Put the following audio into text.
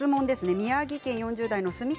宮城県４０代の方。